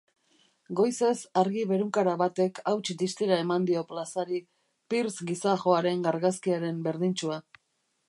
Goizez argi berunkara batek hauts-distira eman dio plazari, Pearce gizajoaren argazkiaren berdintsua.